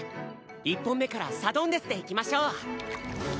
１本目からサドンデスでいきましょう。